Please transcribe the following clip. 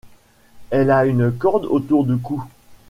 Elle a une corde autour du cou.